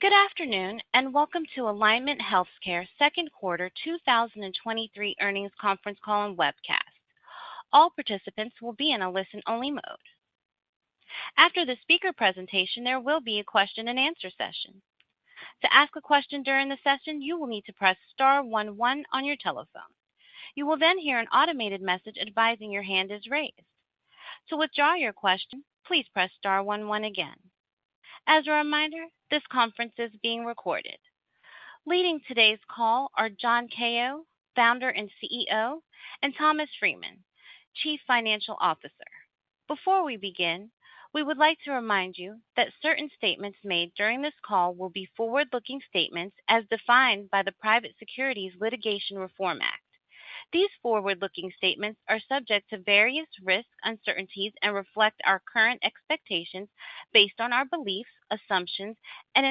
Good afternoon, and welcome to Alignment Healthcare Second Quarter 2023 Earnings Conference Call and Webcast. All participants will be in a listen-only mode. After the speaker presentation, there will be a question-and-answer session. To ask a question during the session, you will need to press star one, one on your telephone. You will then hear an automated message advising your hand is raised. To withdraw your question, please press star one, one again. As a reminder, this conference is being recorded. Leading today's call are John Kao, Founder and CEO, and Thomas Freeman, Chief Financial Officer. Before we begin, we would like to remind you that certain statements made during this call will be forward-looking statements as defined by the Private Securities Litigation Reform Act. These forward-looking statements are subject to various risks, uncertainties, and reflect our current expectations based on our beliefs, assumptions, and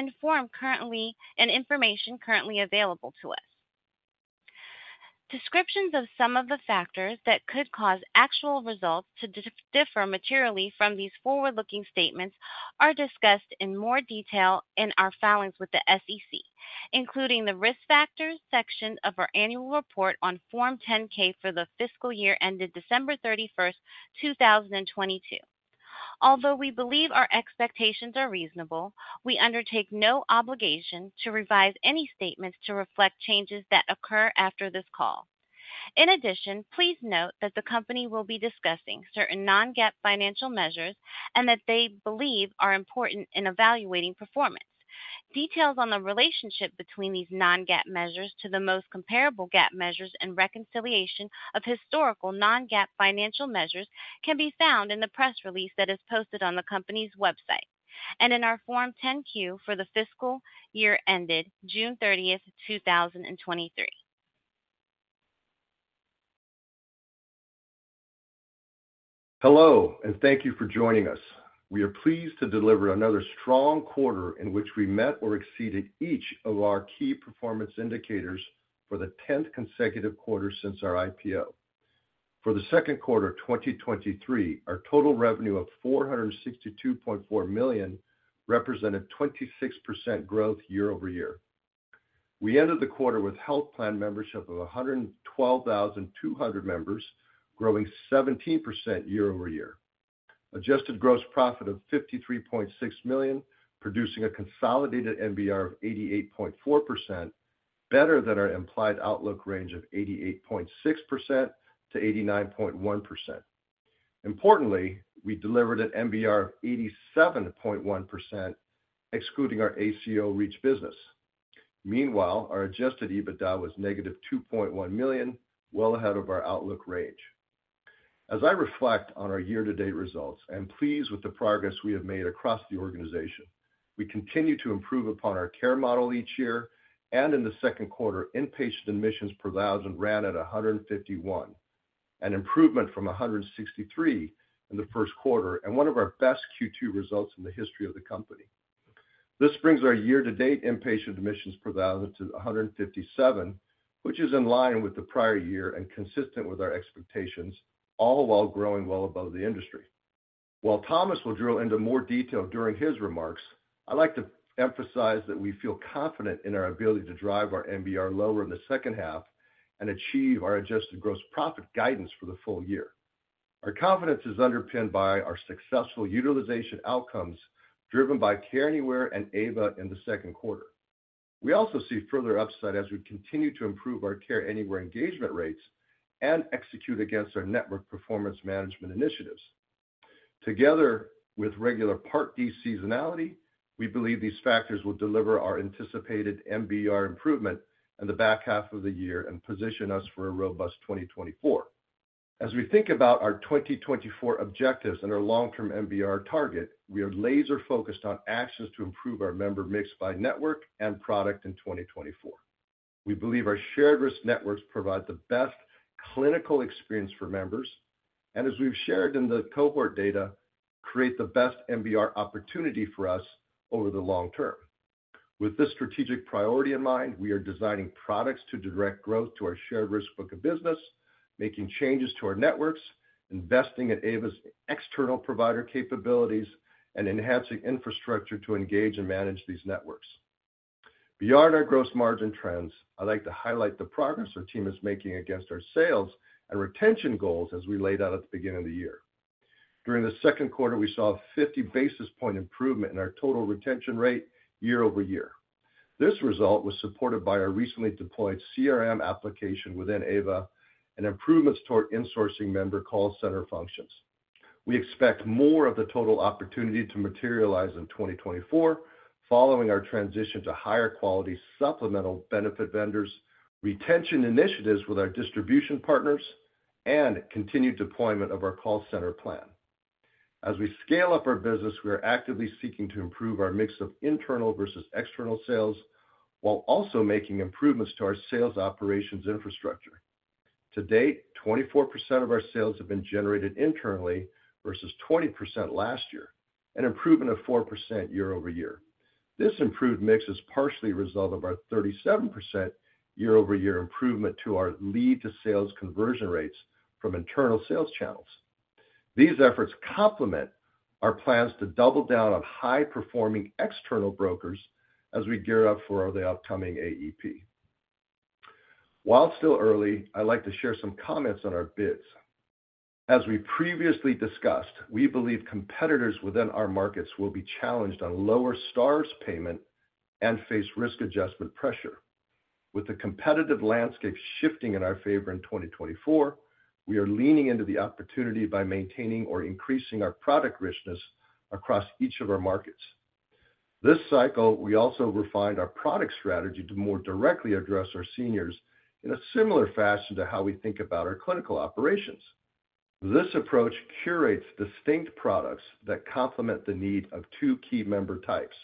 information currently available to us. Descriptions of some of the factors that could cause actual results to differ materially from these forward-looking statements are discussed in more detail in our filings with the SEC, including the Risk Factors section of our Annual Report on Form 10-K for the fiscal year ended December 31, 2022. Although we believe our expectations are reasonable, we undertake no obligation to revise any statements to reflect changes that occur after this call. In addition, please note that the company will be discussing certain non-GAAP financial measures and that they believe are important in evaluating performance. Details on the relationship between these non-GAAP measures to the most comparable GAAP measures and reconciliation of historical non-GAAP financial measures can be found in the press release that is posted on the company's website and in our Form 10-Q for the fiscal year ended June 30th, 2023. Hello, and thank you for joining us. We are pleased to deliver another strong quarter in which we met or exceeded each of our key performance indicators for the tenth consecutive quarter since our IPO. For the second quarter of 2023, our total revenue of $462.4 million represented 26% growth year-over-year. We ended the quarter with health plan membership of 112,200 members, growing 17% year-over-year. Adjusted gross profit of $53.6 million, producing a consolidated MBR of 88.4%, better than our implied outlook range of 88.6%-89.1%. Importantly, we delivered an MBR of 87.1%, excluding our ACO REACH business. Meanwhile, our adjusted EBITDA was -$2.1 million, well ahead of our outlook range. As I reflect on our year-to-date results, I'm pleased with the progress we have made across the organization. We continue to improve upon our care model each year. In the second quarter, inpatient admissions per thousand ran at 151, an improvement from 163 in the first quarter and one of our best Q2 results in the history of the company. This brings our year-to-date inpatient admissions per thousand to 157, which is in line with the prior year and consistent with our expectations, all while growing well above the industry. While Thomas will drill into more detail during his remarks, I'd like to emphasize that we feel confident in our ability to drive our MBR lower in the second half and achieve our adjusted gross profit guidance for the full year. Our confidence is underpinned by our successful utilization outcomes, driven by Care Anywhere and AVA in the second quarter. We also see further upside as we continue to improve our Care Anywhere engagement rates and execute against our network performance management initiatives. Together with regular Part D seasonality, we believe these factors will deliver our anticipated MBR improvement in the back half of the year and position us for a robust 2024. As we think about our 2024 objectives and our long-term MBR target, we are laser-focused on actions to improve our member mix by network and product in 2024. We believe our shared risk networks provide the best clinical experience for members, and as we've shared in the cohort data, create the best MBR opportunity for us over the long term. With this strategic priority in mind, we are designing products to direct growth to our shared risk book of business, making changes to our networks, investing in AVA's external provider capabilities, and enhancing infrastructure to engage and manage these networks. Beyond our gross margin trends, I'd like to highlight the progress our team is making against our sales and retention goals as we laid out at the beginning of the year. During the second quarter, we saw a 50 basis point improvement in our total retention rate year-over-year. This result was supported by our recently deployed CRM application within AVA and improvements toward insourcing member call center functions. We expect more of the total opportunity to materialize in 2024, following our transition to higher quality supplemental benefit vendors, retention initiatives with our distribution partners, and continued deployment of our call center plan. As we scale up our business, we are actively seeking to improve our mix of internal versus external sales, while also making improvements to our sales operations infrastructure. To date, 24% of our sales have been generated internally versus 20% last year, an improvement of 4% year-over-year. This improved mix is partially a result of our 37% year-over-year improvement to our lead to sales conversion rates from internal sales channels. These efforts complement our plans to double down on high-performing external brokers as we gear up for the upcoming AEP. While it's still early, I'd like to share some comments on our bids. As we previously discussed, we believe competitors within our markets will be challenged on lower Star Ratings payment and face risk adjustment pressure. With the competitive landscape shifting in our favor in 2024, we are leaning into the opportunity by maintaining or increasing our product richness across each of our markets. This cycle, we also refined our product strategy to more directly address our seniors in a similar fashion to how we think about our clinical operations. This approach curates distinct products that complement the need of two key member types: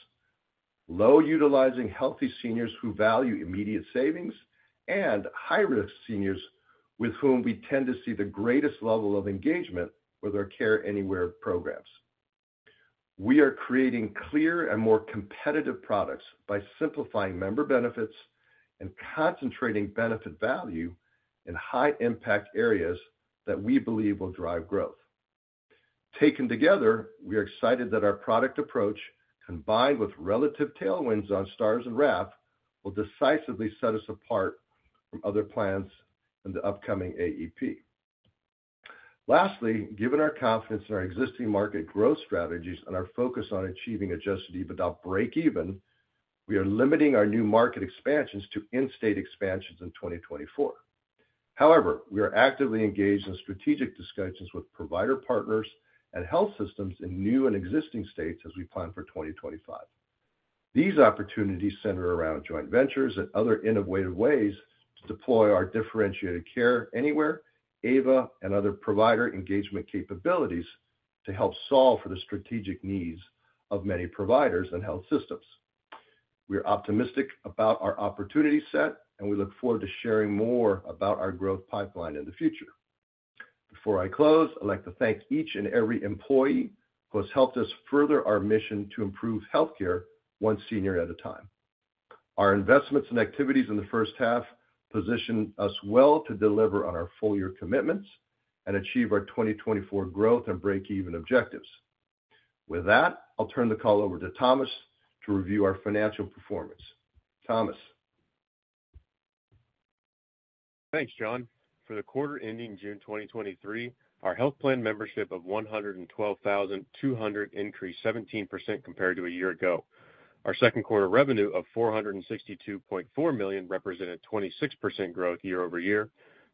low-utilizing healthy seniors who value immediate savings, and high-risk seniors, with whom we tend to see the greatest level of engagement with our Care Anywhere programs. We are creating clear and more competitive products by simplifying member benefits and concentrating benefit value in high-impact areas that we believe will drive growth. Taken together, we are excited that our product approach, combined with relative tailwinds on stars and RAF, will decisively set us apart from other plans in the upcoming AEP. Lastly, given our confidence in our existing market growth strategies and our focus on achieving Adjusted EBITDA breakeven, we are limiting our new market expansions to in-state expansions in 2024. We are actively engaged in strategic discussions with provider partners and health systems in new and existing states as we plan for 2025. These opportunities center around joint ventures and other innovative ways to deploy our differentiated Care Anywhere, AVA, and other provider engagement capabilities to help solve for the strategic needs of many providers and health systems. We are optimistic about our opportunity set, and we look forward to sharing more about our growth pipeline in the future. Before I close, I'd like to thank each and every employee who has helped us further our mission to improve healthcare, one senior at a time. Our investments and activities in the first half position us well to deliver on our full year commitments and achieve our 2024 growth and breakeven objectives. With that, I'll turn the call over to Thomas to review our financial performance. Thomas? Thanks, John. For the quarter ending June 2023, our health plan membership of 112,200 increased 17% compared to a year ago. Our second quarter revenue of $462.4 million represented 26% growth year-over-year.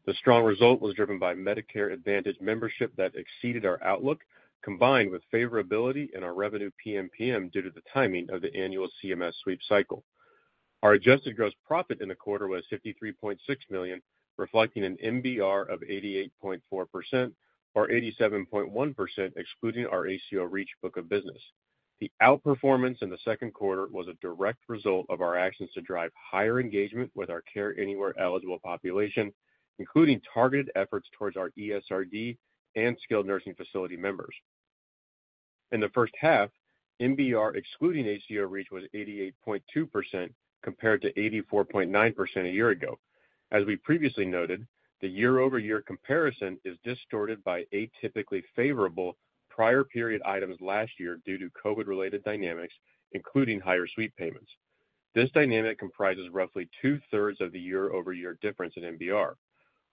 The strong result was driven by Medicare Advantage membership that exceeded our outlook, combined with favorability in our revenue PMPM due to the timing of the annual CMS sweep cycle. Our adjusted gross profit in the quarter was $53.6 million, reflecting an MBR of 88.4%, or 87.1%, excluding our ACO REACH book of business. The outperformance in the second quarter was a direct result of our actions to drive higher engagement with our Care Anywhere-eligible population, including targeted efforts towards our ESRD and skilled nursing facility members. In the first half, MBR, excluding ACO REACH, was 88.2%, compared to 84.9% a year ago. As we previously noted, the year-over-year comparison is distorted by atypically favorable prior period items last year due to COVID-related dynamics, including higher sweep payments. This dynamic comprises roughly two-thirds of the year-over-year difference in MBR.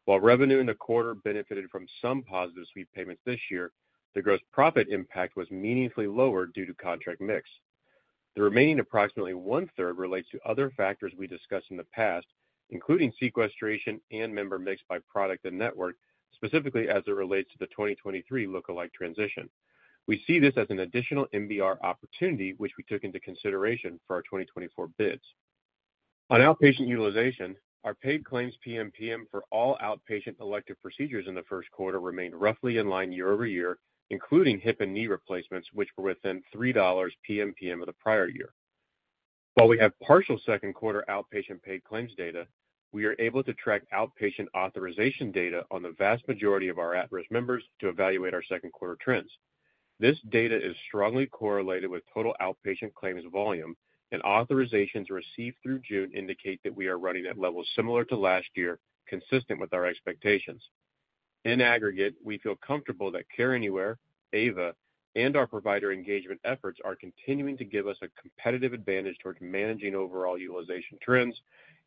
While revenue in the quarter benefited from some positive sweep payments this year, the gross profit impact was meaningfully lower due to contract mix. The remaining approximately one-third relates to other factors we discussed in the past, including sequestration and member mix by product and network, specifically as it relates to the 2023 look-alike transition. We see this as an additional MBR opportunity, which we took into consideration for our 2024 bids. On outpatient utilization, our paid claims PMPM for all outpatient elective procedures in the first quarter remained roughly in line year-over-year, including hip and knee replacements, which were within $3 PMPM of the prior year. While we have partial second quarter outpatient paid claims data, we are able to track outpatient authorization data on the vast majority of our at-risk members to evaluate our second quarter trends. This data is strongly correlated with total outpatient claims volume, and authorizations received through June indicate that we are running at levels similar to last year, consistent with our expectations. In aggregate, we feel comfortable that Care Anywhere, AVA, and our provider engagement efforts are continuing to give us a competitive advantage towards managing overall utilization trends,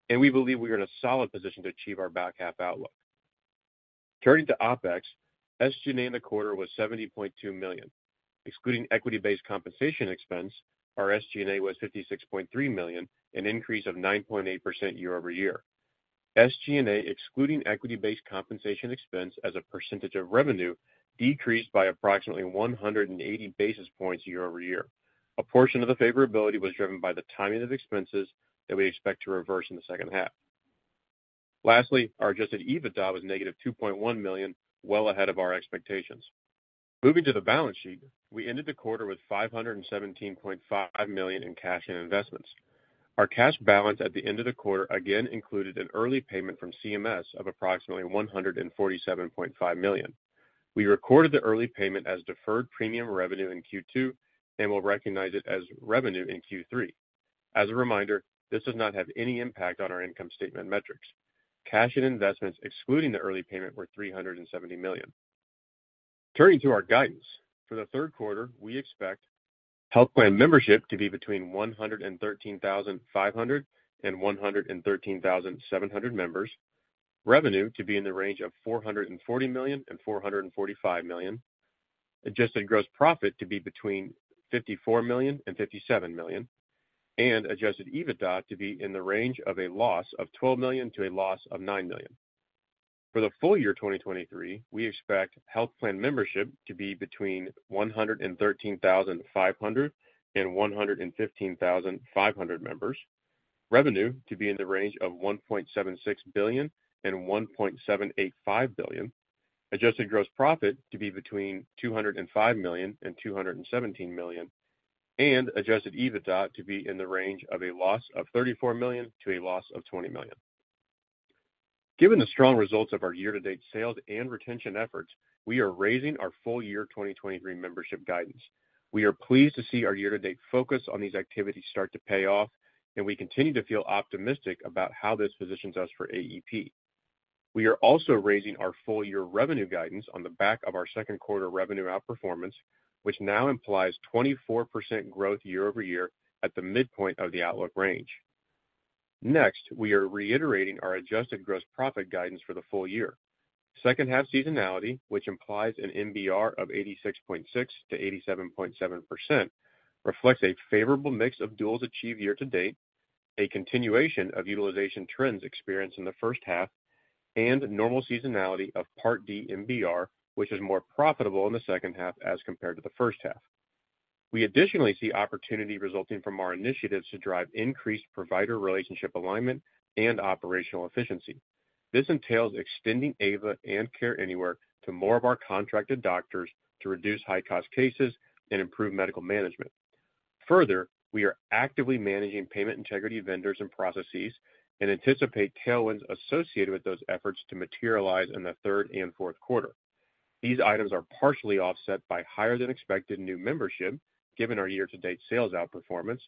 and we believe we are in a solid position to achieve our back-half outlook. Turning to OpEx, SG&A in the quarter was $70.2 million. Excluding equity-based compensation expense, our SG&A was $56.3 million, an increase of 9.8% year-over-year. SG&A, excluding equity-based compensation expense as a percentage of revenue, decreased by approximately 180 basis points year-over-year. A portion of the favorability was driven by the timing of expenses that we expect to reverse in the second half. Lastly, our adjusted EBITDA was -$2.1 million, well ahead of our expectations. Moving to the balance sheet, we ended the quarter with $517.5 million in cash and investments. Our cash balance at the end of the quarter again included an early payment from CMS of approximately $147.5 million. We recorded the early payment as deferred premium revenue in Q2 and will recognize it as revenue in Q3. As a reminder, this does not have any impact on our income statement metrics. Cash and investments, excluding the early payment, were $370 million. Turning to our guidance. For the third quarter, we expect health plan membership to be between 113,500 and 113,700 members, revenue to be in the range of $440 million and $445 million, adjusted gross profit to be between $54 million and $57 million, Adjusted EBITDA to be in the range of a loss of $12 million to a loss of $9 million. For the full year 2023, we expect health plan membership to be between 113,500 and 115,500 members, revenue to be in the range of $1.76 billion and $1.785 billion, adjusted gross profit to be between $205 million and $217 million, and adjusted EBITDA to be in the range of a loss of $34 million to a loss of $20 million. Given the strong results of our year-to-date sales and retention efforts, we are raising our full year 2023 membership guidance. We are pleased to see our year-to-date focus on these activities start to pay off, and we continue to feel optimistic about how this positions us for AEP. We are also raising our full-year revenue guidance on the back of our second quarter revenue outperformance, which now implies 24% growth year-over-year at the midpoint of the outlook range. We are reiterating our adjusted gross profit guidance for the full year. Second half seasonality, which implies an MBR of 86.6%-87.7%, reflects a favorable mix of duals achieved year-to-date, a continuation of utilization trends experienced in the first half, and normal seasonality of Part D MBR, which is more profitable in the second half as compared to the first half. We additionally see opportunity resulting from our initiatives to drive increased provider relationship alignment and operational efficiency. This entails extending AVA and Care Anywhere to more of our contracted doctors to reduce high-cost cases and improve medical management. Further, we are actively managing payment integrity vendors and processes and anticipate tailwinds associated with those efforts to materialize in the third and fourth quarter. These items are partially offset by higher than expected new membership, given our year-to-date sales outperformance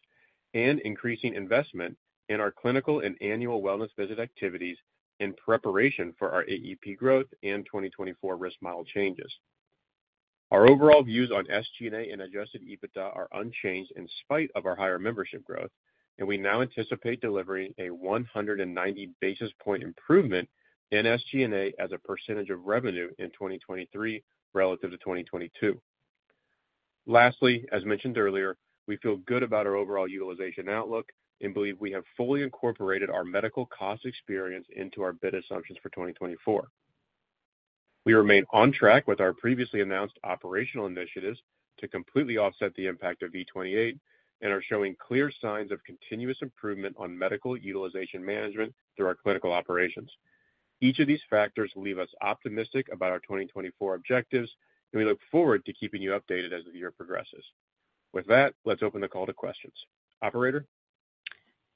and increasing investment in our clinical and Annual Wellness Visit activities in preparation for our AEP growth and 2024 risk model changes. Our overall views on SG&A and Adjusted EBITDA are unchanged in spite of our higher membership growth, and we now anticipate delivering a 190 basis point improvement in SG&A as a % of revenue in 2023 relative to 2022. Lastly, as mentioned earlier, we feel good about our overall utilization outlook and believe we have fully incorporated our medical cost experience into our bid assumptions for 2024. We remain on track with our previously announced operational initiatives to completely offset the impact of V28 and are showing clear signs of continuous improvement on medical utilization management through our clinical operations. Each of these factors leave us optimistic about our 2024 objectives, and we look faorward to keeping you updated as the year progresses. With that, let's open the call to questions. Operator?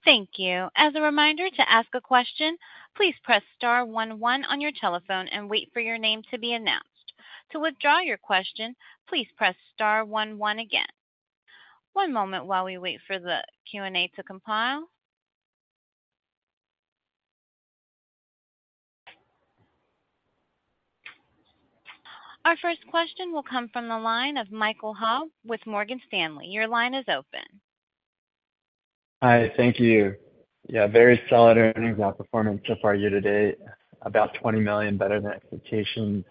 Thank you. As a reminder to ask a question, please press star one one on your telephone and wait for your name to be announced. To withdraw your question, please press star one one again. One moment while we wait for the Q&A to compile. Our first question will come from the line of Michael Ha with Morgan Stanley. Your line is open. Hi. Thank you. Yeah, very solid earnings outperformance so far year-to-date, about $20 million better than expectations,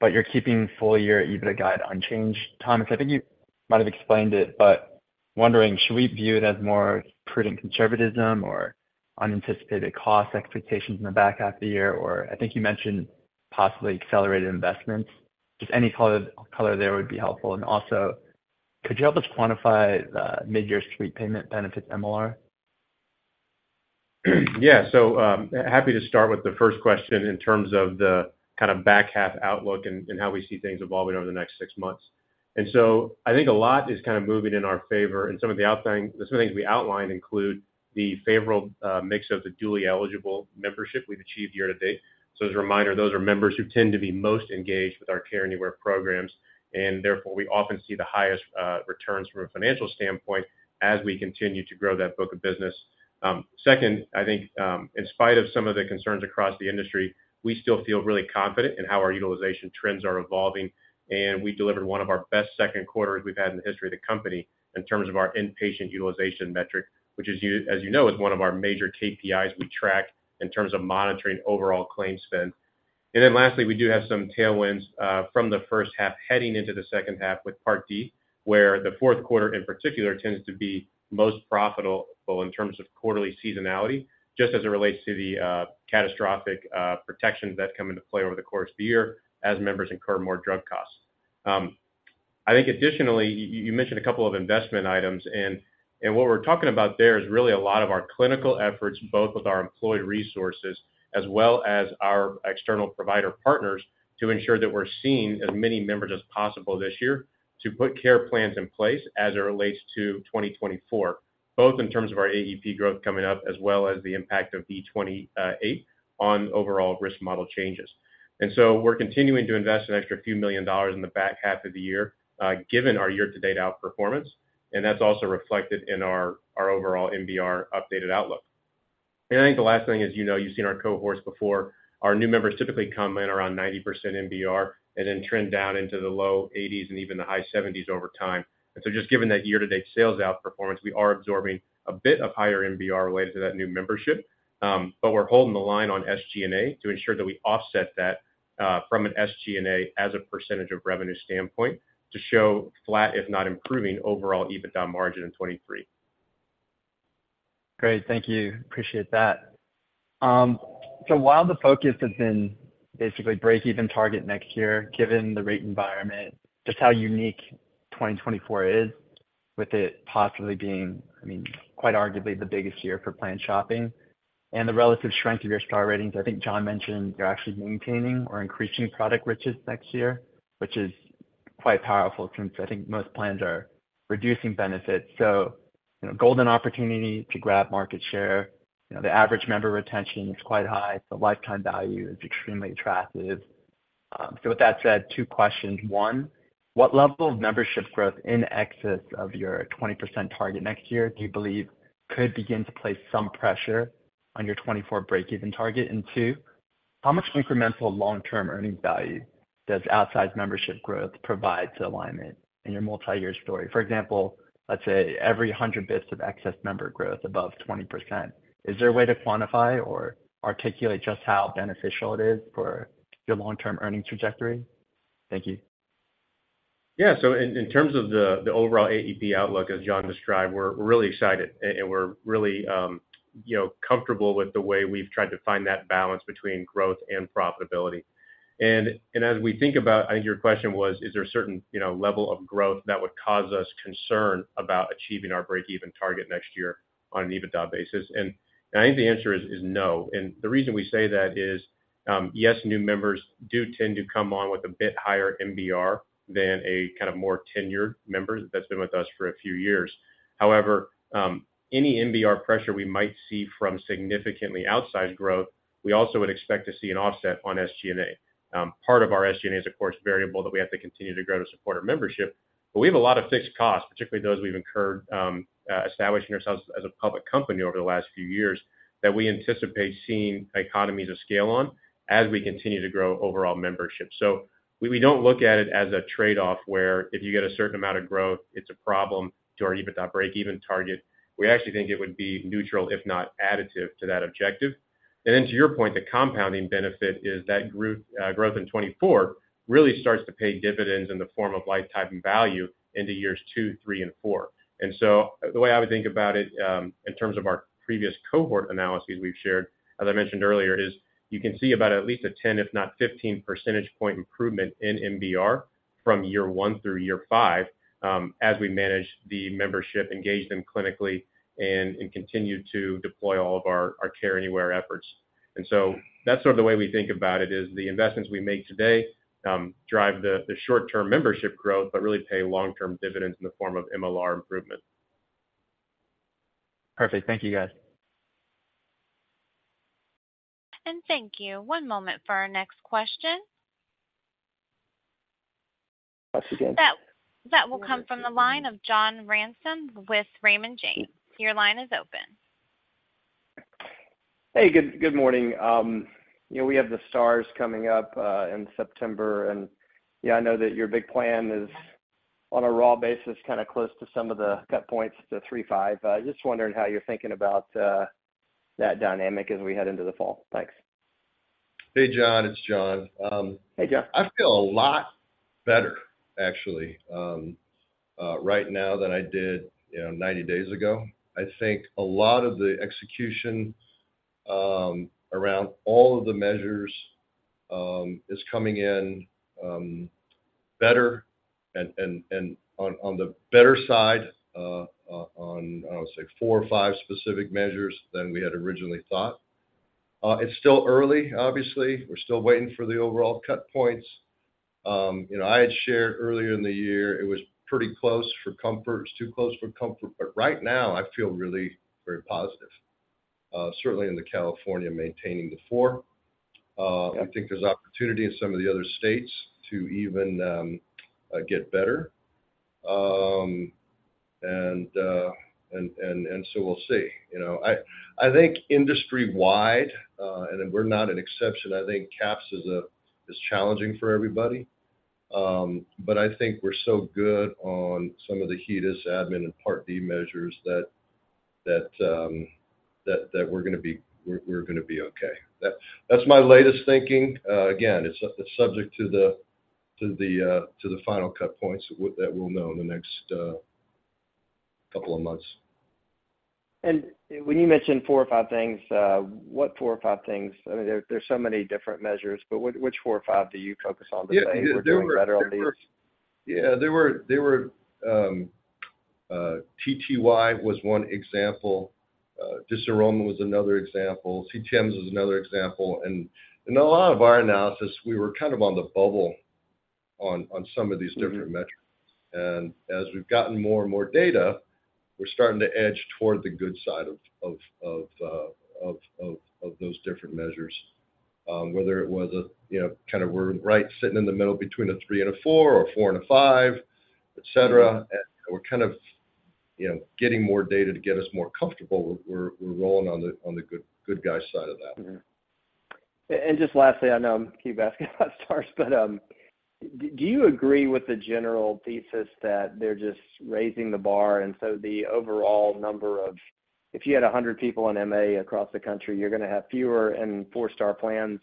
but you're keeping full-year EBITDA guide unchanged. Thomas Freeman, I think you might have explained it, but wondering, should we view it as more prudent conservatism or unanticipated cost expectations in the back-half of the year? I think you mentioned possibly accelerated investments. Just any color, color there would be helpful. Also, could you help us quantify the midyear sweep payment benefit MLR? Yeah. Happy to start with the first question in terms of the kind of back half outlook and how we see things evolving over the next six months. I think a lot is kind of moving in our favor, and some things we outlined include the favorable mix of the dually eligible membership we've achieved year to date. As a reminder, those are members who tend to be most engaged with our Care Anywhere programs, and therefore, we often see the highest returns from a financial standpoint as we continue to grow that book of business. Second, I think, in spite of some of the concerns across the industry, we still feel really confident in how our utilization trends are evolving, and we delivered one of our best second quarters we've had in the history of the company in terms of our inpatient utilization metric, which is you, as you know, is one of our major KPIs we track in terms of monitoring overall claim spend. Lastly, we do have some tailwinds from the first half heading into the second half with Part D, where the fourth quarter in particular, tends to be most profitable in terms of quarterly seasonality, just as it relates to the catastrophic protections that come into play over the course of the year as members incur more drug costs. I think additionally, you mentioned a couple of investment items, and what we're talking about there is really a lot of our clinical efforts, both with our employee resources as well as our external provider partners, to ensure that we're seeing as many members as possible this year to put care plans in place as it relates to 2024, both in terms of our AEP growth coming up, as well as the impact of V28 on overall risk model changes. We're continuing to invest an extra few million dollars in the back half of the year, given our year-to-date outperformance, and that's also reflected in our, our overall MBR updated outlook. I think the last thing is, you know, you've seen our cohorts before. Our new members typically come in around 90% MBR and then trend down into the low 80s and even the high 70s over time. Just given that year-to-date sales outperformance, we are absorbing a bit of higher MBR related to that new membership. We're holding the line on SG&A to ensure that we offset that from an SG&A as a % of revenue standpoint, to show flat, if not improving, overall EBITDA margin in 2023. Great. Thank you. Appreciate that. While the focus has been basically break-even target next year, given the rate environment, just how unique 2024 is, with it possibly being, I mean, quite arguably the biggest year for planned shopping and the relative strength of your Star Ratings, I think John mentioned you're actually maintaining or increasing product riches next year, which is quite powerful since I think most plans are reducing benefits. You know, golden opportunity to grab market share. You know, the average member retention is quite high. The lifetime value is extremely attractive. With that said, two questions. One, what level of membership growth in excess of your 20% target next year do you believe could begin to place some pressure on your 2024 break-even target? Two, how much incremental long-term earning value does outsized membership growth provide to Alignment in your multi-year story? For example, let's say every 100 bits of excess member growth above 20%. Is there a way to quantify or articulate just how beneficial it is for your long-term earning trajectory? Thank you. Yeah, so in terms of the overall AEP outlook, as John described, we're really excited, and we're really, you know, comfortable with the way we've tried to find that balance between growth and profitability. As we think about, I think your question was, is there a certain, you know, level of growth that would cause us concern about achieving our break-even target next year on an EBITDA basis? I think the answer is, is no. The reason we say that is, yes, new members do tend to come on with a bit higher MBR than a kind of more tenured member that's been with us for a few years. However, any MBR pressure we might see from significantly outsized growth, we also would expect to see an offset on SG&A. Part of our SG&A is, of course, variable that we have to continue to grow to support our membership, but we have a lot of fixed costs, particularly those we've incurred establishing ourselves as a public company over the last few years, that we anticipate seeing economies of scale on as we continue to grow overall membership. We, we don't look at it as a trade-off, where if you get a certain amount of growth, it's a problem to our EBITDA break-even target. We actually think it would be neutral, if not additive, to that objective. To your point, the compounding benefit is that group growth in 2024 really starts to pay dividends in the form of lifetime value into years two, three, and four. The way I would think about it, in terms of our previous cohort analyses we've shared, as I mentioned earlier, is you can see about at least a 10, if not 15 percentage point improvement in MBR from year 1 through year 5, as we manage the membership, engage them clinically, and, and continue to deploy all of our, our Care Anywhere efforts. That's sort of the way we think about it, is the investments we make today, drive the, the short-term membership growth, but really pay long-term dividends in the form of MLR improvement. Perfect. Thank you, guys. Thank you. One moment for our next question. Once again. That, that will come from the line of John Ransom with Raymond James. Your line is open. Hey, good, good morning. you know, we have the Stars coming up in September, and, yeah, I know that your big plan is on a raw basis, kind of close to some of the cut points, the 3.5. Just wondering how you're thinking about that dynamic as we head into the fall. Thanks. Hey, John, it's John. Hey, John. I feel a lot better, actually, right now than I did, you know, 90 days ago. I think a lot of the execution, around all of the measures, is coming in, better and, and, and on, on the better side, on, I would say, 4 or 5 specific measures than we had originally thought. It's still early, obviously. We're still waiting for the overall cut points. You know, I had shared earlier in the year it was pretty close for comfort. It's too close for comfort, but right now I feel really very positive, certainly in the California, maintaining the 4. I think there's opportunity in some of the other states to even, get better. And, and, and, so we'll see. You know, I, I think industry-wide, and we're not an exception, I think CAHPS is challenging for everybody. I think we're so good on some of the HEDIS admin and Part D measures that we're gonna be okay. That's my latest thinking. Again, it's subject to the final cut points that we'll know in the next couple of months. When you mentioned four or five things, what four or five things? I mean, there, there's so many different measures, but which four or five do you focus on today? We're doing better on these. Yeah, they were, they were, TTY was one example. dysrhythmia was another example. Statin was another example. In a lot of our analysis, we were kind of on the bubble on, on some of these different metrics. As we've gotten more and more data, we're starting to edge toward the good side of, of, of, of, of, of those different measures. whether it was a, you know, kind of we're right sitting in the middle between a 3 and a 4 or a 4 and a 5, et cetera. We're kind of, you know, getting more data to get us more comfortable. We're, we're rolling on the, on the good, good guy side of that. Mm-hmm. And just lastly, I know I keep asking about stars, but do you agree with the general thesis that they're just raising the bar, and so the overall number of-- if you had 100 people in MA across the country, you're gonna have fewer and 4-star plans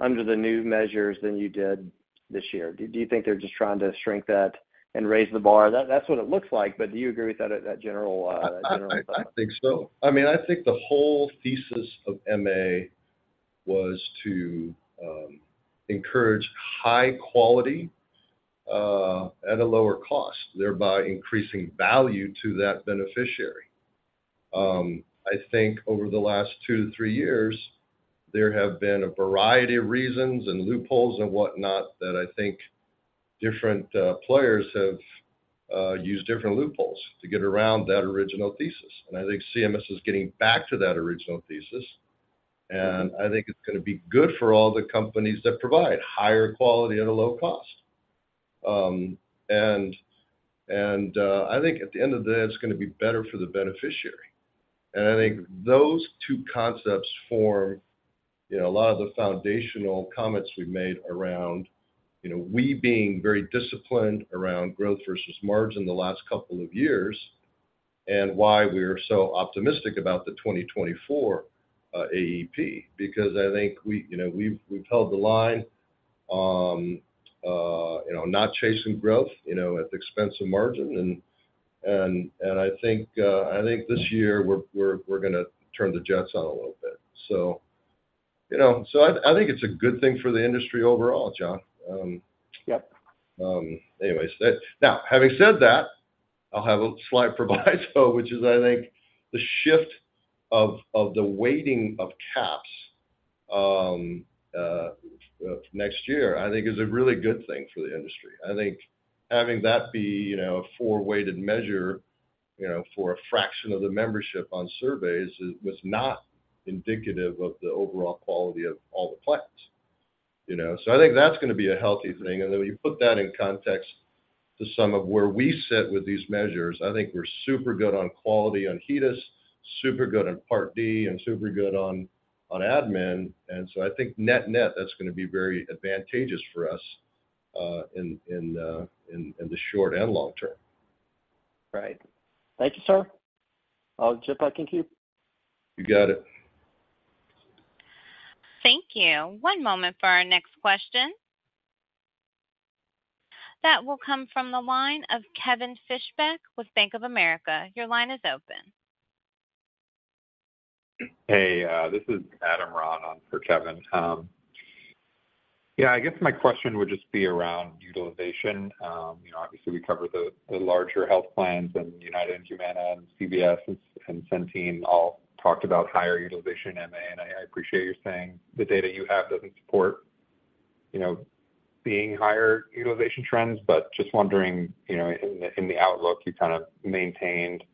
under the new measures than you did this year? Do you think they're just trying to shrink that and raise the bar? That's what it looks like, but do you agree with that, that general thought? I think so. I mean, I think the whole thesis of MA was to encourage high quality at a lower cost, thereby increasing value to that beneficiary. I think over the last two to three years, there have been a variety of reasons and loopholes and whatnot, that I think different players have used different loopholes to get around that original thesis. I think CMS is getting back to that original thesis, and I think it's gonna be good for all the companies that provide higher quality at a low cost. I think at the end of the day, it's gonna be better for the beneficiary. I think those two concepts form, you know, a lot of the foundational comments we've made around, you know, we being very disciplined around growth versus margin the last couple of years, and why we are so optimistic about the 2024 AEP. I think we, you know, we've, we've held the line, you know, not chasing growth, you know, at the expense of margin. I think, I think this year we're, we're, we're gonna turn the jets on a little bit. You know, so I think it's a good thing for the industry overall, John. Yep. Anyways. Now, having said that, I'll have a slide for that, but which is, I think, the shift of the weighting of CAHPS next year, I think is a really good thing for the industry. I think having that be, you know, a 4-weighted measure, you know, for a fraction of the membership on surveys, is, was not indicative of the overall quality of all the plans, you know? I think that's gonna be a healthy thing. When you put that in context to some of where we sit with these measures, I think we're super good on quality on HEDIS, super good on Part D, and super good on admin. I think net-net, that's gonna be very advantageous for us in the short and long term. Right. Thank you, sir. I'll jump back in queue. You got it. Thank you. One moment for our next question. That will come from the line of Kevin Fischbeck with Bank of America. Your line is open. Hey, this is Adam Ron on for Kevin. Yeah, I guess my question would just be around utilization. You know, obviously, we covered the, the larger health plans, and United and Humana and CVS and Centene all talked about higher utilization, MA. I, I appreciate you saying the data you have doesn't support, you know, seeing higher utilization trends. Just wondering, you know, in the, in the outlook, you kind of maintained,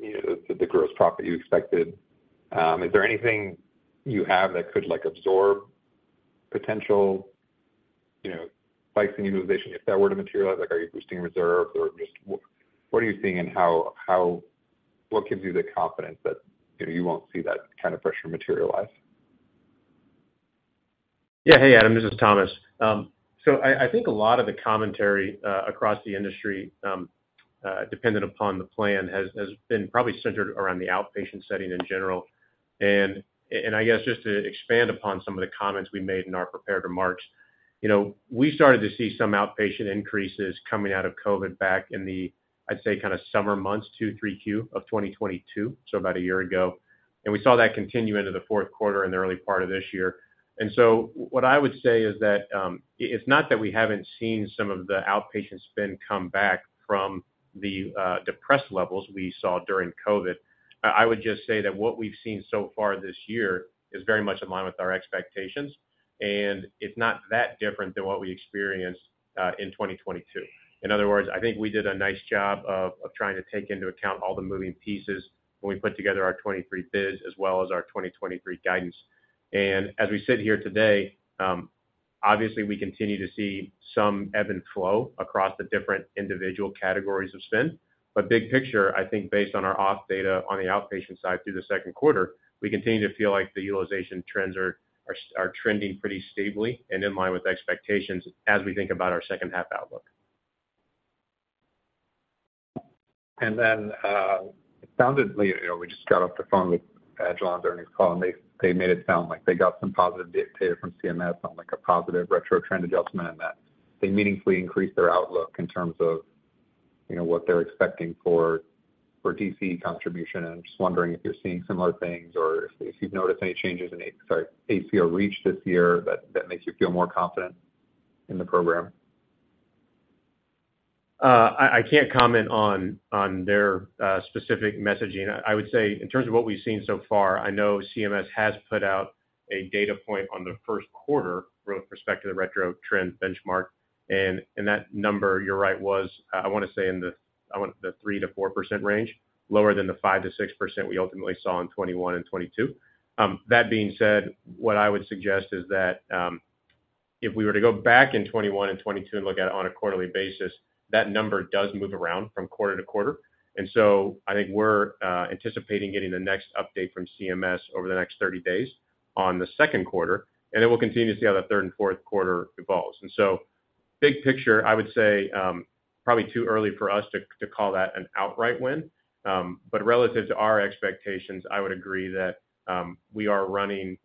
you know, the, the gross profit you expected. Is there anything you have that could, like, absorb potential, you know, spikes in utilization if that were to materialize? Like, are you boosting reserves or just what, what are you seeing and what gives you the confidence that, you know, you won't see that kind of pressure materialize? Yeah. Hey, Adam, this is Thomas. I, I think a lot of the commentary, across the industry, dependent upon the plan, has, has been probably centered around the outpatient setting in general. I guess just to expand upon some of the comments we made in our prepared remarks, you know, we started to see some outpatient increases coming out of COVID back in the, I'd say, kind of summer months, 2, 3 Q of 2022, so about a year ago. We saw that continue into the fourth quarter and the early part of this year. What I would say is that, it's not that we haven't seen some of the outpatient spend come back from the, depressed levels we saw during COVID. I would just say that what we've seen so far this year is very much in line with our expectations, and it's not that different than what we experienced in 2022. In other words, I think we did a nice job of, of trying to take into account all the moving pieces when we put together our 2023 biz, as well as our 2023 guidance. As we sit here today, obviously, we continue to see some ebb and flow across the different individual categories of spend. Big picture, I think based on our auth data on the outpatient side through the 2Q, we continue to feel like the utilization trends are trending pretty stably and in line with expectations as we think about our 2H outlook. Then, soundedly, you know, we just got off the phone with John's earnings call, and they, they made it sound like they got some positive data from CMS on, like, a positive retro trend adjustment, and that they meaningfully increased their outlook in terms of, you know, what they're expecting for DC contribution. I'm just wondering if you're seeing similar things or if, if you've noticed any changes in ACO REACH this year, that, that makes you feel more confident in the program? I, I can't comment on, on their specific messaging. I would say in terms of what we've seen so far, I know CMS has put out a data point on the first quarter with respect to the retro trend benchmark. That number, you're right, was, I wanna say in the 3%-4% range, lower than the 5%-6% we ultimately saw in 2021 and 2022. That being said, what I would suggest is that, If we were to go back in 2021 and 2022 and look at it on a quarterly basis, that number does move around from quarter to quarter. I think we're anticipating getting the next update from CMS over the next 30 days on the second quarter, then we'll continue to see how the third and fourth quarter evolves. Big picture, I would say, probably too early for us to call that an outright win. Relative to our expectations, I would agree that we are running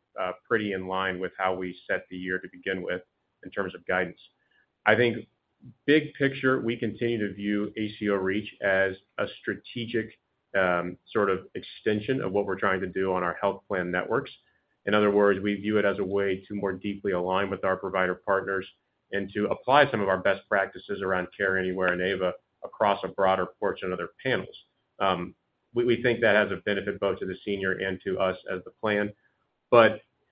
pretty in line with how we set the year to begin with in terms of guidance. I think big picture, we continue to view ACO REACH as a strategic sort of extension of what we're trying to do on our health plan networks. In other words, we view it as a way to more deeply align with our provider partners and to apply some of our best practices around Care Anywhere and AVA across a broader portion of their panels. We, we think that has a benefit both to the senior and to us as the plan.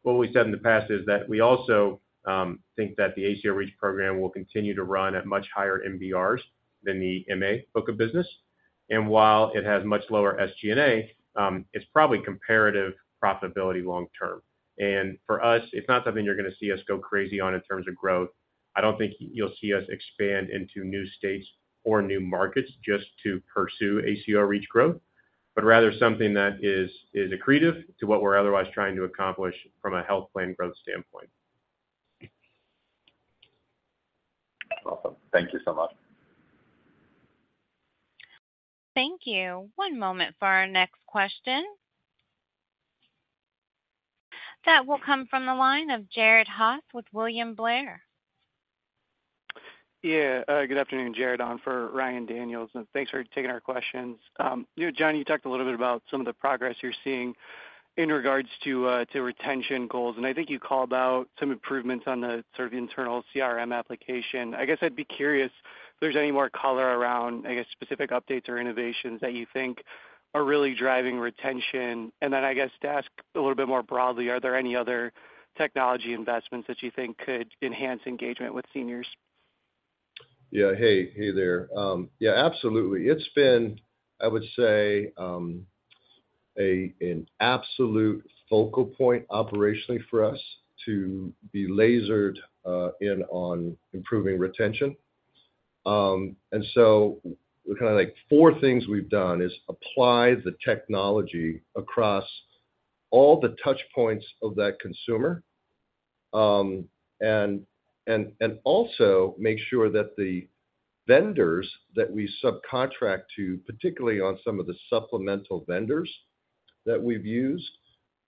What we said in the past is that we also think that the ACO REACH program will continue to run at much higher MBRs than the MA book of business. While it has much lower SG&A, it's probably comparative profitability long term. For us, it's not something you're going to see us go crazy on in terms of growth. I don't think you'll see us expand into new states or new markets just to pursue ACO REACH growth, but rather something that is, is accretive to what we're otherwise trying to accomplish from a health plan growth standpoint. Awesome. Thank you so much. Thank you. One moment for our next question. That will come from the line of Jared Haas with William Blair. Yeah, good afternoon, Jared on for Ryan Daniels, and thanks for taking our questions. You know, John, you talked a little bit about some of the progress you're seeing in regards to retention goals, and I think you called out some improvements on the sort of internal CRM application. I guess I'd be curious if there's any more color around, I guess, specific updates or innovations that you think are really driving retention. I guess to ask a little bit more broadly, are there any other technology investments that you think could enhance engagement with seniors? Yeah. Hey, hey there. Yeah, absolutely. It's been, I would say, a, an absolute focal point operationally for us to be lasered in on improving retention. So the kind of like four things we've done is apply the technology across all the touch points of that consumer, and, and, and also make sure that the vendors that we subcontract to, particularly on some of the supplemental vendors that we've used,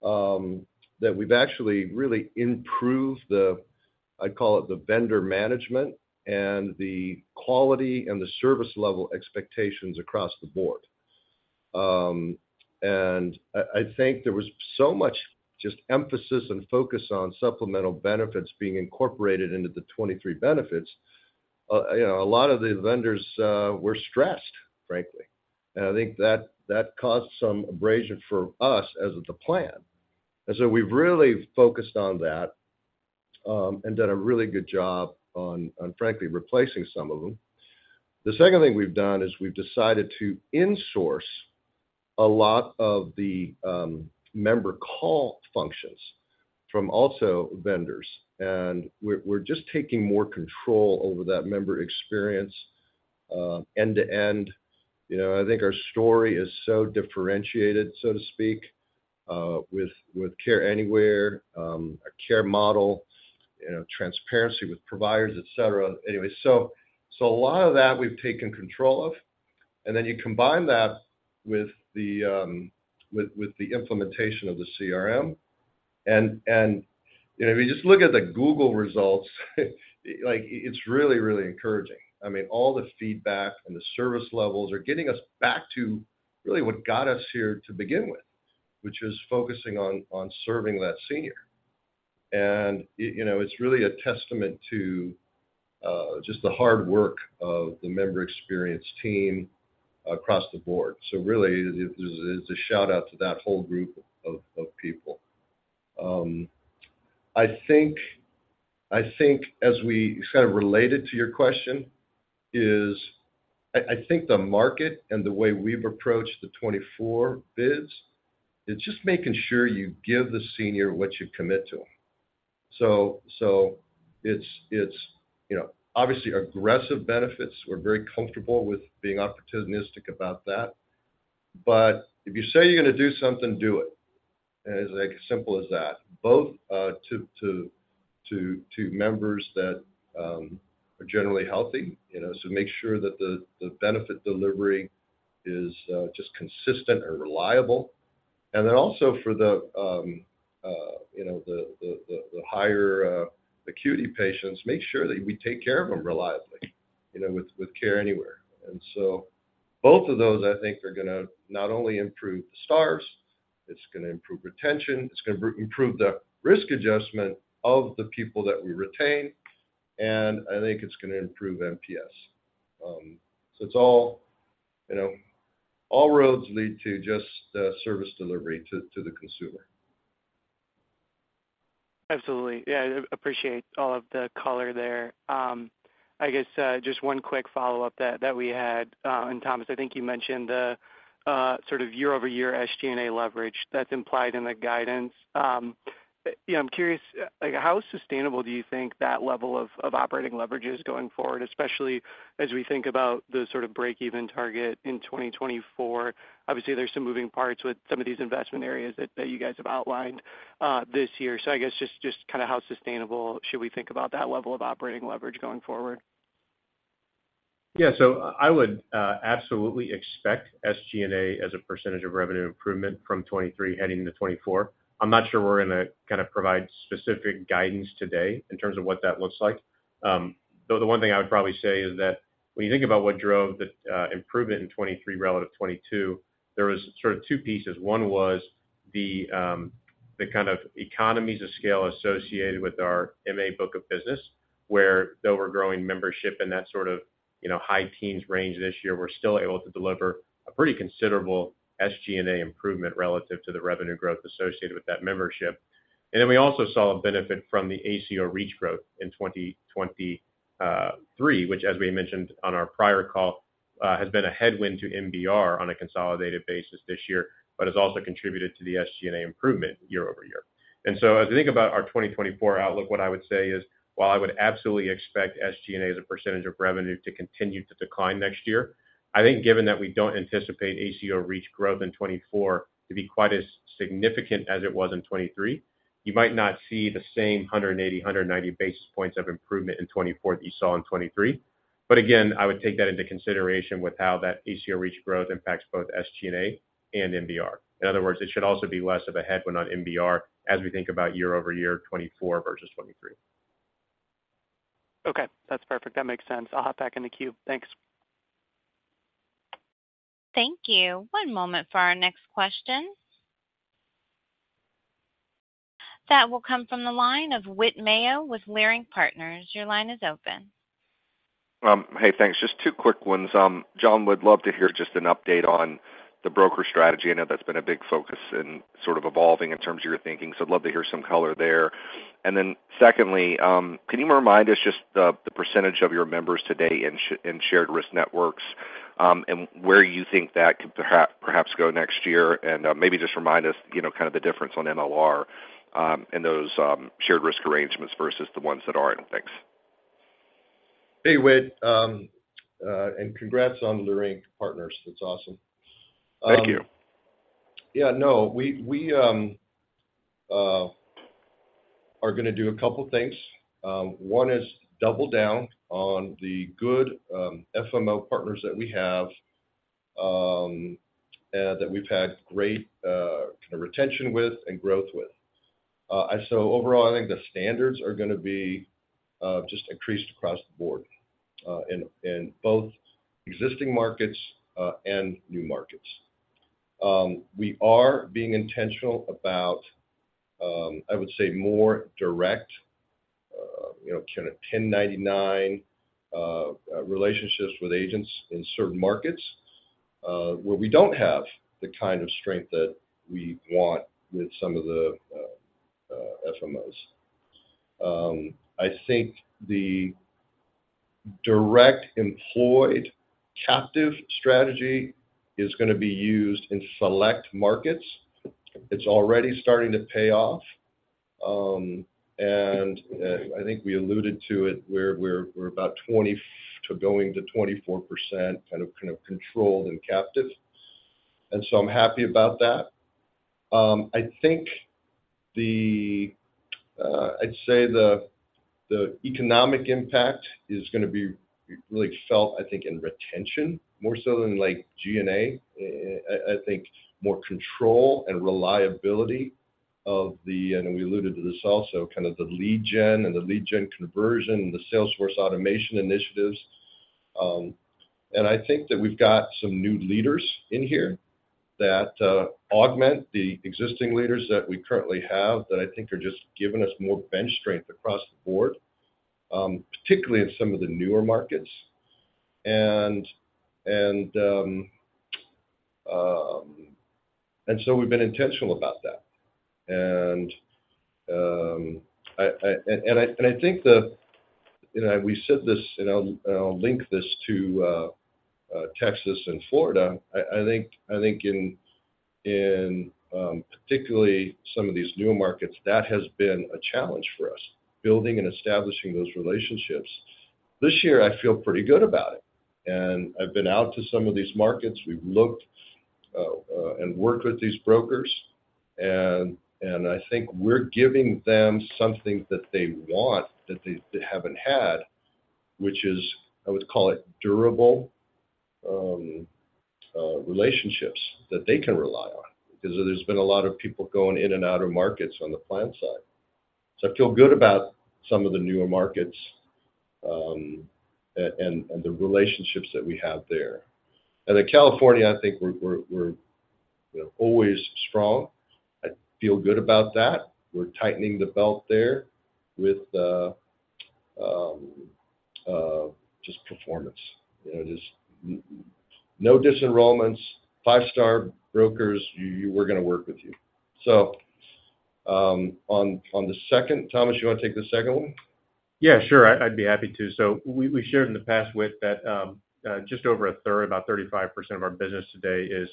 that we've actually really improved the, I'd call it, the vendor management and the quality and the service level expectations across the board. I, I think there was so much just emphasis and focus on supplemental benefits being incorporated into the 23 benefits, you know, a lot of the vendors were stressed, frankly. I think that, that caused some abrasion for us as the plan. We've really focused on that, and done a really good job on, on frankly, replacing some of them. The second thing we've done is we've decided to insource a lot of the member call functions from also vendors, and we're, we're just taking more control over that member experience, end-to-end. You know, I think our story is so differentiated, so to speak, with, with Care Anywhere, our care model, you know, transparency with providers, et cetera. A lot of that we've taken control of, and then you combine that with the, with, with the implementation of the CRM, and, and, you know, if you just look at the Google results, like it's really, really encouraging. I mean, all the feedback and the service levels are getting us back to really what got us here to begin with, which is focusing on, on serving that senior. You, you know, it's really a testament to, just the hard work of the member experience team across the board. Really, it, it's a shout-out to that whole group of, of people. I think, I think as we... Kind of related to your question, is I, I think the market and the way we've approached the 2024 bids, it's just making sure you give the senior what you commit to them. So, so it's, it's, you know, obviously, aggressive benefits. We're very comfortable with being opportunistic about that. If you say you're going to do something, do it. It's like as simple as that, both to members that are generally healthy, you know, so make sure that the benefit delivery is just consistent and reliable. Then also for the, you know, the higher acuity patients, make sure that we take care of them reliably, you know, with Care Anywhere. So both of those, I think, are gonna not only improve the stars, it's gonna improve retention, it's gonna improve the risk adjustment of the people that we retain, and I think it's gonna improve NPS. It's all, you know, all roads lead to just service delivery to the consumer. Absolutely. Yeah, I appreciate all of the color there. I guess just one quick follow-up that, that we had, and Thomas, I think you mentioned the sort of year-over-year SG&A leverage that's implied in the guidance. Yeah, I'm curious, like, how sustainable do you think that level of operating leverage is going forward, especially as we think about the sort of breakeven target in 2024? Obviously, there's some moving parts with some of these investment areas that, that you guys have outlined this year. I guess just kind of how sustainable should we think about that level of operating leverage going forward? Yeah. I would absolutely expect SG&A as a percentage of revenue improvement from 2023 heading into 2024. I'm not sure we're going to kind of provide specific guidance today in terms of what that looks like. Though the one thing I would probably say is that when you think about what drove the improvement in 2023 relative to 2022, there was sort of two pieces. One was the kind of economies of scale associated with our MA book of business, where though we're growing membership in that sort of, you know, high teens range this year, we're still able to deliver a pretty considerable SG&A improvement relative to the revenue growth associated with that membership. We also saw a benefit from the ACO REACH growth in 2023, which, as we mentioned on our prior call, has been a headwind to MBR on a consolidated basis this year, but has also contributed to the SG&A improvement year-over-year. As I think about our 2024 outlook, what I would say is, while I would absolutely expect SG&A as a % of revenue to continue to decline next year, I think given that we don't anticipate ACO REACH growth in 2024 to be quite as significant as it was in 2023, you might not see the same 180-190 basis points of improvement in 2024 that you saw in 2023. Again, I would take that into consideration with how that ACO REACH growth impacts both SG&A and MBR. In other words, it should also be less of a headwind on MBR as we think about year-over-year 2024 versus 2023. Okay, that's perfect. That makes sense. I'll hop back in the queue. Thanks. Thank you. One moment for our next question. That will come from the line of Whit Mayo with Leerink Partners. Your line is open. Hey, thanks. Just 2 quick ones. John, would love to hear just an update on the broker strategy. I know that's been a big focus and sort of evolving in terms of your thinking, so I'd love to hear some color there. Then secondly, can you remind us just the percentage of your members today in shared risk networks, and where you think that could perhaps, perhaps go next year? Maybe just remind us, you know, kind of the difference on MLR in those shared risk arrangements versus the ones that aren't. Thanks. Hey, Whit. Congrats on Leerink Partners. That's awesome. Thank you. Yeah, no, we, we are gonna do a couple things. One is double down on the good FMO partners that we have that we've had great kind of retention with and growth with. Overall, I think the standards are gonna be just increased across the board in both existing markets and new markets. We are being intentional about, I would say, more direct, you know, kind of 1099 relationships with agents in certain markets where we don't have the kind of strength that we want with some of the FMOs. I think the direct employed captive strategy is gonna be used in select markets. It's already starting to pay off. I think we alluded to it, we're about 20 to going to 24% kind of controlled and captive. I'm happy about that. I think the, I'd say the economic impact is gonna be really felt, I think, in retention more so than, like, G&A. I think more control and reliability of the, and we alluded to this also, kind of the lead gen and the lead gen conversion and the Salesforce automation initiatives. I think that we've got some new leaders in here that augment the existing leaders that we currently have, that I think are just giving us more bench strength across the board, particularly in some of the newer markets. We've been intentional about that. I, I, and, and I, and I think the... You know, we said this, and I'll, and I'll link this to Texas and Florida. I, I think, I think in, in, particularly some of these newer markets, that has been a challenge for us, building and establishing those relationships. This year, I feel pretty good about it, and I've been out to some of these markets. We've looked and worked with these brokers, and, and I think we're giving them something that they want, that they, they haven't had, which is, I would call it durable relationships that they can rely on because there's been a lot of people going in and out of markets on the plan side. I feel good about some of the newer markets, and, and, and the relationships that we have there. In California, I think we're, you know, always strong. I feel good about that. We're tightening the belt there with just performance. You know, just no disenrollments, five-star brokers, you, we're gonna work with you. On the second, Thomas, you want to take the second one? Yeah, sure, I, I'd be happy to. We, we shared in the past with that, just over a third, about 35% of our business today is,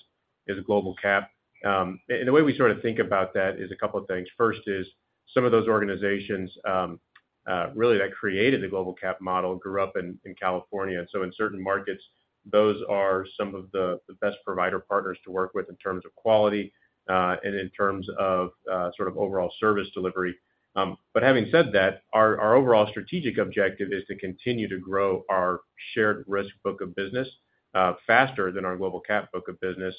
is a global cap. The way we sort of think about that is a couple of things. First is some of those organizations really that created the global cap model grew up in, in California. In certain markets, those are some of the, the best provider partners to work with in terms of quality and in terms of sort of overall service delivery. Having said that, our, our overall strategic objective is to continue to grow our shared risk book of business faster than our global cap book of business,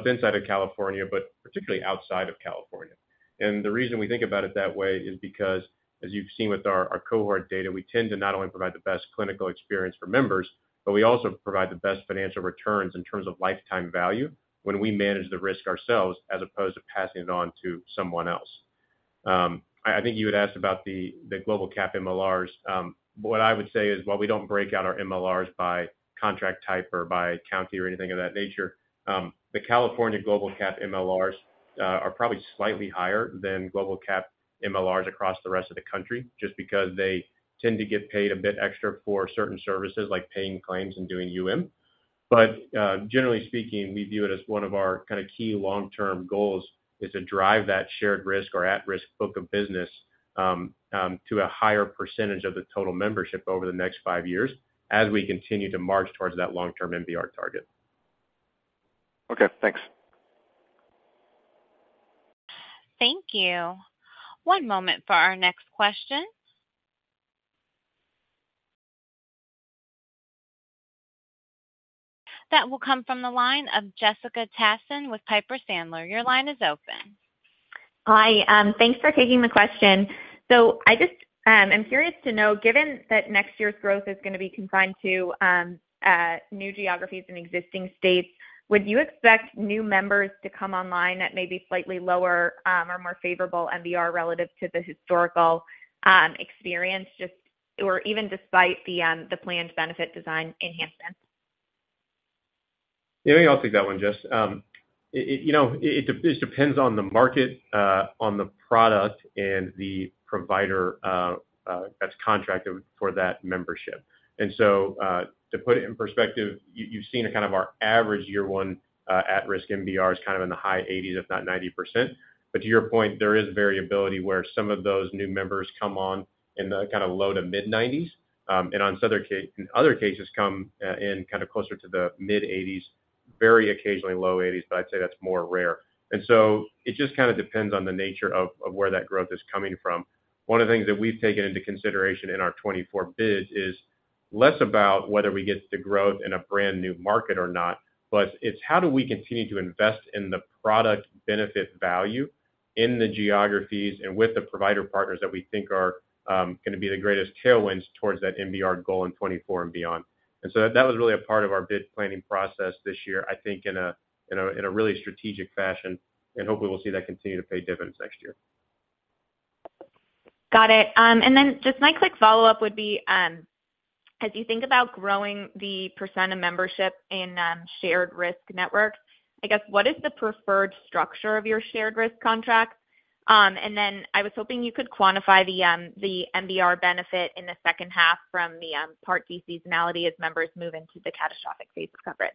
both inside of California, particularly outside of California. The reason we think about it that way is because, as you've seen with our, our cohort data, we tend to not only provide the best clinical experience for members, but we also provide the best financial returns in terms of lifetime value when we manage the risk ourselves, as opposed to passing it on to someone else. I, I think you had asked about the, the global cap MLRs. What I would say is, while we don't break out our MLRs by contract type or by county or anything of that nature, the California global cap MLRs are probably slightly higher than global cap MLRs across the rest of the country, just because they tend to get paid a bit extra for certain services, like paying claims and doing UM. Generally speaking, we view it as one of our kind of key long-term goals, is to drive that shared risk or at-risk book of business to a higher percentage of the total membership over the next 5 years, as we continue to march towards that long-term MBR target. Okay, thanks. Thank you. One moment for our next question. That will come from the line of Jessica Tassan with Piper Sandler. Your line is open. Hi, thanks for taking the question. I just am curious to know, given that next year's growth is gonna be confined to new geographies in existing states, would you expect new members to come online that may be slightly lower or more favorable MBR relative to the historical experience, or even despite the planned benefit design enhancements? Yeah, I'll take that one, Jess. It, you know, it just depends on the market, on the product and the provider that's contracted for that membership. To put it in perspective, you've seen a kind of our average year one at-risk MBR is kind of in the high 80s, if not 90%. To your point, there is variability, where some of those new members come on in the kind of low to mid-90s, and on other cases, come in kind of closer to the mid-80s, very occasionally low 80s, but I'd say that's more rare. It just kind of depends on the nature of where that growth is coming from. One of the things that we've taken into consideration in our 2024 bid is less about whether we get the growth in a brand new market or not, but it's how do we continue to invest in the product benefit value in the geographies and with the provider partners that we think are gonna be the greatest tailwinds towards that MBR goal in 2024 and beyond. So that was really a part of our bid planning process this year, I think in a, in a, in a really strategic fashion, and hopefully we'll see that continue to pay dividends next year. Got it. Then just my quick follow-up would be, as you think about growing the percent of membership in, shared risk networks, I guess, what is the preferred structure of your shared risk contracts? Then I was hoping you could quantify the, the MBR benefit in the second half from the, Part D seasonality as members move into the catastrophic phase of coverage.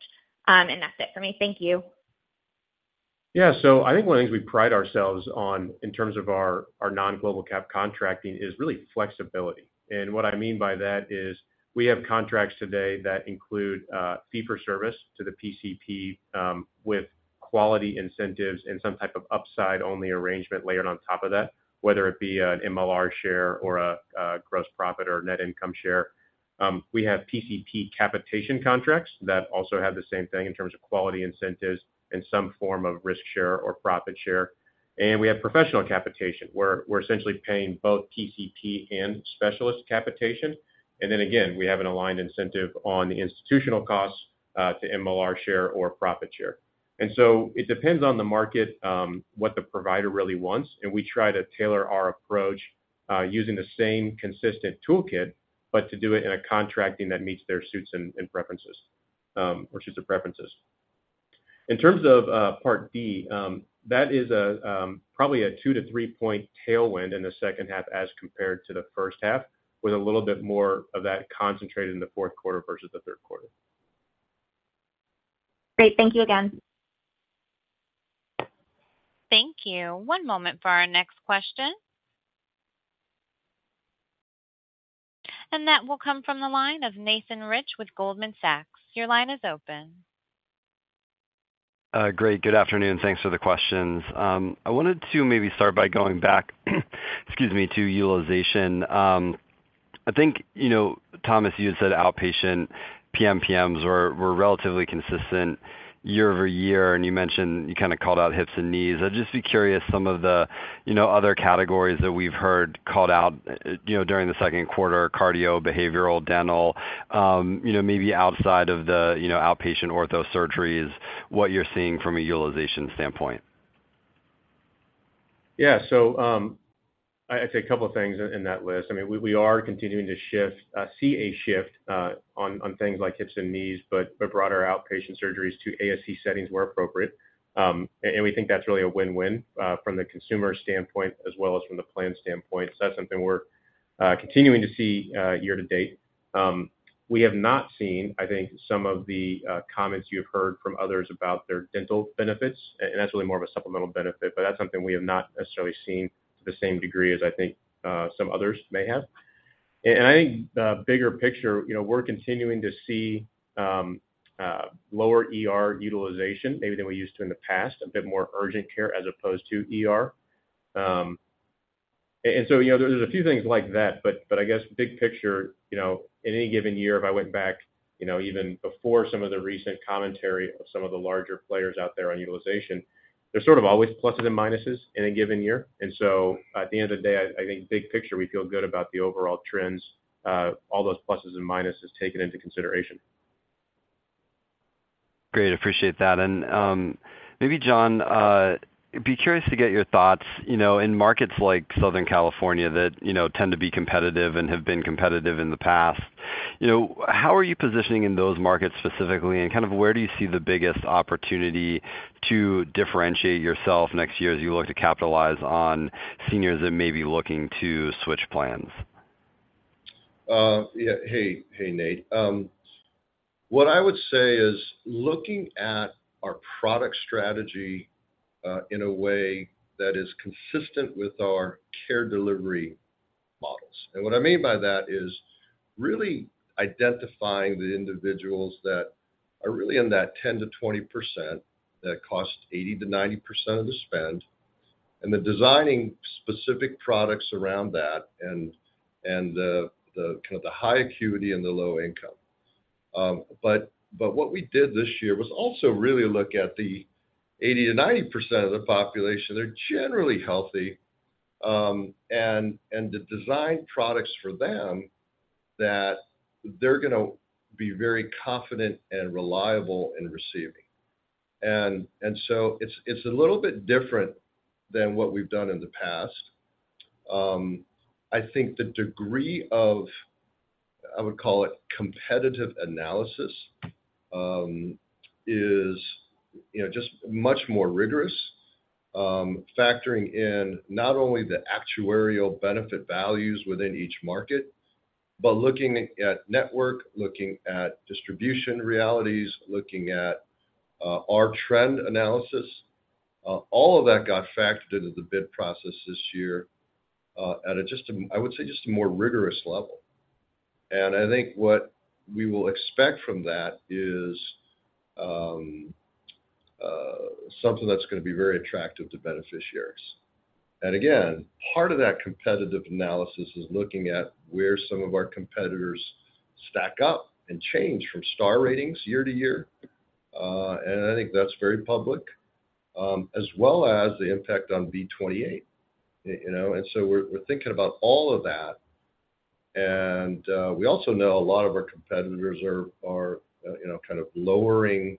That's it for me. Thank you. Yeah. I think one of the things we pride ourselves on in terms of our, our non-global cap contracting is really flexibility. What I mean by that is, we have contracts today that include fee for service to the PCP, with quality incentives and some type of upside-only arrangement layered on top of that, whether it be an MLR share or a gross profit or net income share. We have PCP capitation contracts that also have the same thing in terms of quality incentives and some form of risk share or profit share. We have professional capitation, where we're essentially paying both PCP and specialist capitation. Then again, we have an aligned incentive on the institutional costs to MLR share or profit share. So it depends on the market, what the provider really wants, and we try to tailor our approach, using the same consistent toolkit, but to do it in a contracting that meets their suits and preferences, or suits their preferences. In terms of Part D, that is a probably a 2- to 3-point tailwind in the second half as compared to the first half, with a little bit more of that concentrated in the fourth quarter versus the third quarter. Great. Thank you again. Thank you. One moment for our next question. That will come from the line of Nathan Rich with Goldman Sachs. Your line is open. Great. Good afternoon, thanks for the questions. I wanted to maybe start by going back, excuse me, to utilization. I think, you know, Thomas, you had said outpatient PMPMs were relatively consistent year-over-year, and you mentioned, you kind of called out hips and knees. I'd just be curious, some of the, you know, other categories that we've heard called out, you know, during the 2Q, cardio, behavioral, dental, you know, maybe outside of the, you know, outpatient ortho surgeries, what you're seeing from a utilization standpoint. Yeah. I, I'd say a couple of things in, in that list. I mean, we, we are continuing to shift, see a shift on things like hips and knees, but, but broader outpatient surgeries to ASC settings where appropriate. We think that's really a win-win from the consumer standpoint as well as from the plan standpoint. That's something we're continuing to see year to date. We have not seen, I think, some of the comments you've heard from others about their dental benefits, that's really more of a supplemental benefit, but that's something we have not necessarily seen to the same degree as I think some others may have. I think the bigger picture, you know, we're continuing to see lower ER utilization maybe than we used to in the past, a bit more urgent care as opposed to ER. You know, there's a few things like that, but I guess big picture, you know, in any given year, if I went back, you know, even before some of the recent commentary of some of the larger players out there on utilization, there's sort of always pluses and minuses in a given year. At the end of the day, I think big picture, we feel good about the overall trends, all those pluses and minuses taken into consideration. Great, appreciate that. Maybe, John, be curious to get your thoughts, you know, in markets like Southern California, that, you know, tend to be competitive and have been competitive in the past, you know, how are you positioning in those markets specifically? Kind of where do you see the biggest opportunity to differentiate yourself next year as you look to capitalize on seniors that may be looking to switch plans? Yeah. Hey, hey, Nate. What I would say is looking at our product strategy in a way that is consistent with our care delivery models. What I mean by that is really identifying the individuals that are really in that 10%-20%, that cost 80%-90% of the spend, and then designing specific products around that and the kind of the high acuity and the low income. What we did this year was also really look at the 80%-90% of the population. They're generally healthy, and to design products for them that they're gonna be very confident and reliable in receiving. It's a little bit different than what we've done in the past. I think the degree of, I would call it, competitive analysis, is, you know, just much more rigorous, factoring in not only the actuarial benefit values within each market, but looking at network, looking at distribution realities, looking at our trend analysis. All of that got factored into the bid process this year, at a I would say, just a more rigorous level. I think what we will expect from that is something that's gonna be very attractive to beneficiaries. Again, part of that competitive analysis is looking at where some of our competitors stack up and change from Star Ratings year to year. I think that's very public, as well as the impact on B28, you know? We're, we're thinking about all of that. We also know a lot of our competitors are, you know, kind of lowering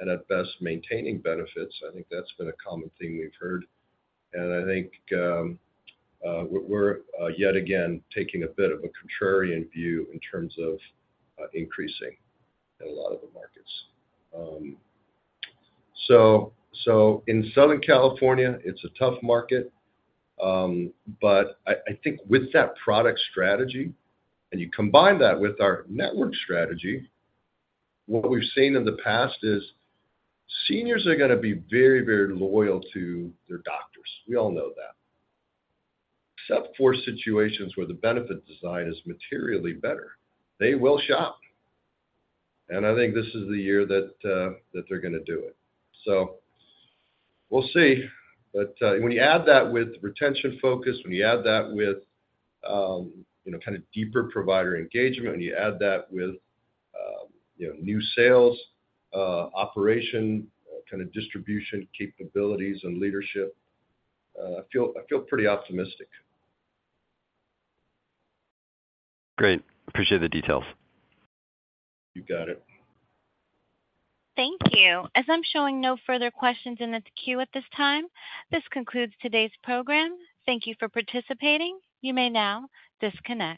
and at best, maintaining benefits. I think that's been a common theme we've heard. I think we're yet again, taking a bit of a contrarian view in terms of increasing in a lot of the markets. In Southern California, it's a tough market, but I think with that product strategy, and you combine that with our network strategy, what we've seen in the past is seniors are gonna be very, very loyal to their doctors. We all know that. Except for situations where the benefit design is materially better, they will shop, and I think this is the year that they're gonna do it. We'll see. When you add that with retention focus, when you add that with, you know, kind of deeper provider engagement, when you add that with, you know, new sales, operation, kind of distribution capabilities and leadership, I feel, I feel pretty optimistic. Great. Appreciate the details. You got it. Thank you. As I'm showing no further questions in this queue at this time, this concludes today's program. Thank you for participating. You may now disconnect.